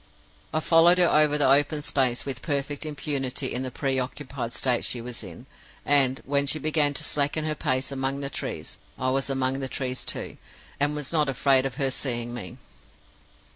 I followed her over the open space with perfect impunity in the preoccupied state she was in; and, when she began to slacken her pace among the trees, I was among the trees too, and was not afraid of her seeing me.